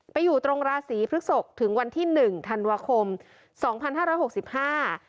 ไปอยู่ตรงราศีพฤกษกถึงวันที่หนึ่งธันวาคมสองพันห้าร้อยหกสิบห้า